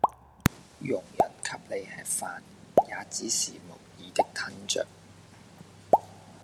佣人給你吃飯也只是無意的吞著